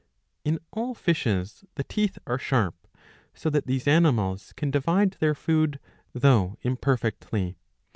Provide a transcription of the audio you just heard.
In all fishes the teeth are sharp ;^^ so that these animals can divide their food, though imperfectly.